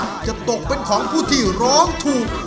จะตกเป็นของผู้ที่ร้องถูก